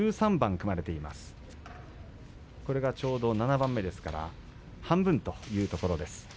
これがちょうど７番目ですから半分というところです。